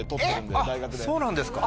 あっそうなんですか。